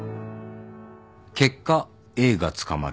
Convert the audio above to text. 結果Ａが捕まる。